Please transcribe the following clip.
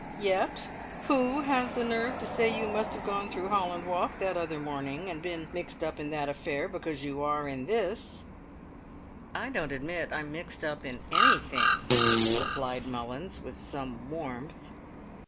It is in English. Yet who has the nerve to say you must have gone through Holland Walk that other morning, and been mixed up in that affair because you are in this?" "I don't admit I'm mixed up in anything," replied Mullins, with some warmth.